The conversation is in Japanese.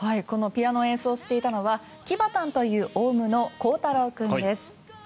このピアノを演奏していたのはキバタンというオウムの光太郎君です。